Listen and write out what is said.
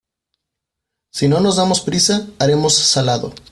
Si no nos damos prisa, haremos salado.